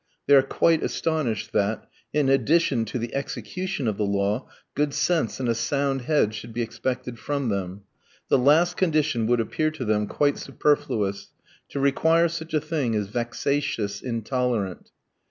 They are quite astonished that, in addition to the execution of the law, good sense and a sound head should be expected from them. The last condition would appear to them quite superfluous; to require such a thing is vexatious, intolerant.